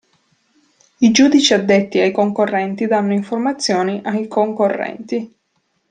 I giudici addetti ai concorrenti danno informazioni ai concorrenti.